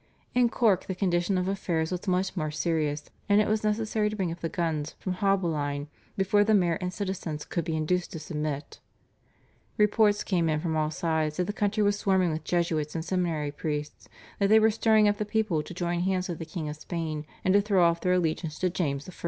In Cork the condition of affairs was much more serious, and it was necessary to bring up the guns from Haulbowline before the mayor and citizens could be induced to submit. Reports came in from all sides that the country was swarming with Jesuits and seminary priests, that they were stirring up the people to join hands with the King of Spain, and to throw off their allegiance to James I.